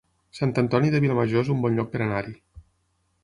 Sant Antoni de Vilamajor es un bon lloc per anar-hi